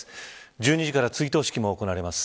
１２時から追悼式も行われます。